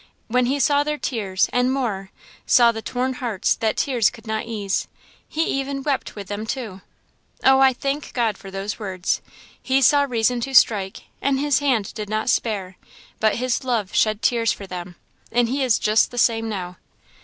when he saw their tears, and more, saw the torn hearts that tears could not ease he even wept with them too! Oh, I thank God for those words! He saw reason to strike, and his hand did not spare; but his love shed tears for them! and he is just the same now."